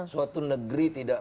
suatu negeri tidak